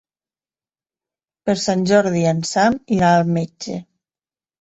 Per Sant Jordi en Sam irà al metge.